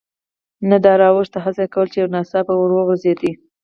نه د را اوښتو هڅه کول، چې یو ناڅاپه ور وغورځېد.